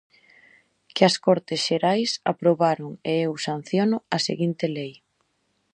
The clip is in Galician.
Que as Cortes Xerais aprobaron e eu sanciono a seguinte lei.